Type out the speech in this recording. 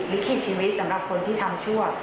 ลิขิตชีวิตสำหรับคนที่ทำชั่ว